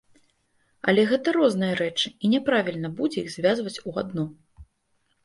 Але гэта розныя рэчы і няправільна будзе іх звязваць у адно.